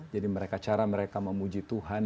jadi cara mereka memuji tuhan